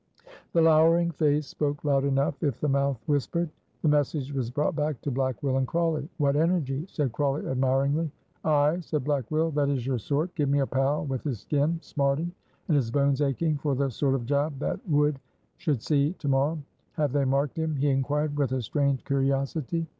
The lowering face spoke loud enough if the mouth whispered. The message was brought back to Black Will and Crawley. "What energy!" said Crawley, admiringly. "Ay!" said Black Will, "that is your sort; give me a pal with his skin smarting and his bones aching for the sort of job that wood shall see to morrow. Have they marked him?" he inquired, with a strange curiosity.